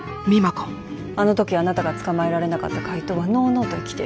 あの時あなたが捕まえられなかった怪盗はのうのうと生きてる。